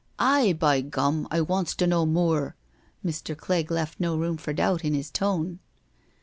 " Aye, by gum, I wants to know moor." Mr. Clegg left no room for doubt in his tone.